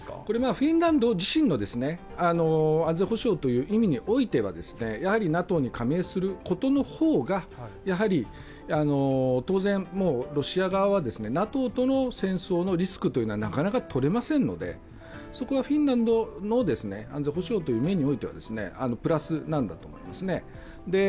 フィンランド自身の安全保障という意味においてはＮＡＴＯに加盟することの方がやはり当然、ロシア側はＮＡＴＯとの戦争のリスクというのはなかなかとれませんのでそこはフィンランドの安全保障という面においてはプラスなんだと思いますね。